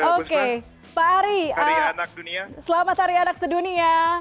oke pak ari selamat hari anak sedunia